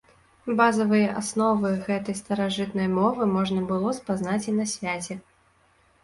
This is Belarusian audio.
Базавыя асновы гэтай старажытнай мовы можна было спазнаць і на свяце.